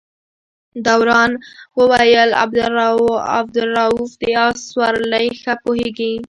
دوران وویل عبدالروف د آس سورلۍ ښه پوهېږي.